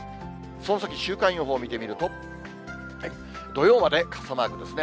その先、週間予報を見てみると、土曜まで傘マークですね。